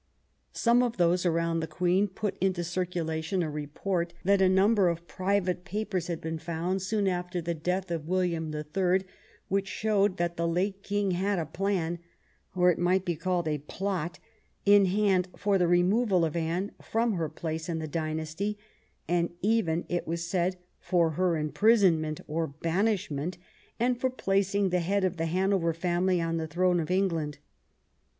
Some of those around the Queen put into circulation a report that a number of private papers had been found soon after the death of William the Third which showed that the late King had a plan — or it might be called a plot — in hand for the removal of Anne from her place in the dynasty, and even, it was said, for her imprison ment or banishment, and for placing the head of the Hanover family on the throne of England.